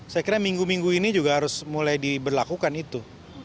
saya kira minggu minggu ini juga harus mulai diberlakukan itu